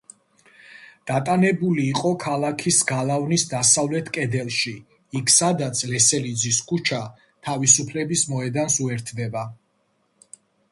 დატანებული იყო ქალაქის გალავნის დასავლეთ კედელში იქ, სადაც ლესელიძის ქუჩა თავისუფლების მოედანს უერთდება.